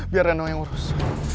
biar reno yang urus